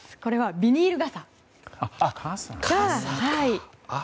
ビニール傘。